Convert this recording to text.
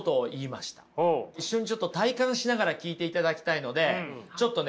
一緒にちょっと体感しながら聞いていただきたいのでちょっとね